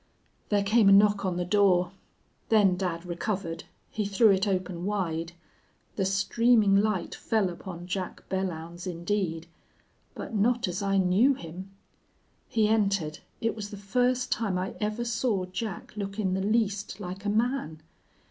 There came a knock on the door. Then dad recovered. He threw it open wide. The streaming light fell upon Jack Belllounds, indeed, but not as I knew him. He entered. It was the first time I ever saw Jack look in the least like a man.